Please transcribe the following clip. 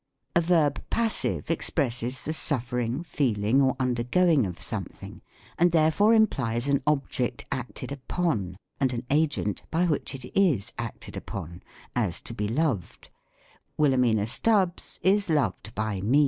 A Verb Passive expresses the suffering, feeling, or undergoing of something; and therefore implies an ob ject acted upon, and an agent by which it is acted upon ; as, to be loved ;" Wilhelmina Stubbs is loved by me."